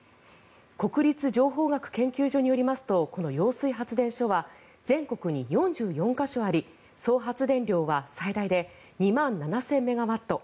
国立情報学研究所によりますとこの揚水発電所は全国に４４か所あり総発電量は最大で２万７０００メガワット。